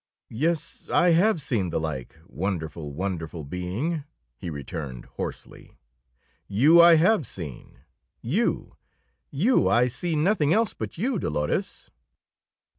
"Yes, I have seen the like, wonderful, wonderful being," he returned hoarsely. "You I have seen; you, you, I see nothing else but you, Dolores!"